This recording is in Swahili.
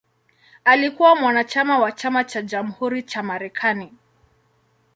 Alikuwa mwanachama wa Chama cha Jamhuri cha Marekani.